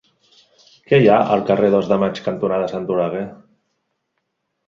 Què hi ha al carrer Dos de Maig cantonada Sant Oleguer?